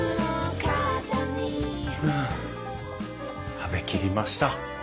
食べ切りました。